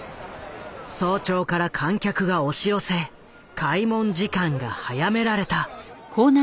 早朝から観客が押し寄せ開門時間が早められた。